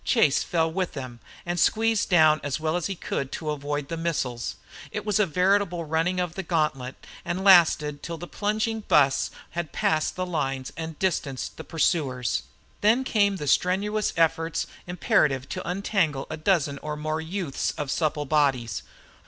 Chase fell with them and squeezed down as well as he could to avoid the missiles. It was a veritable running of the gantlet, and lasted till the plunging bus had passed the lines and distanced the pursuers. Then came the strenuous efforts imperative to untangle a dozen or more youths of supple bodies.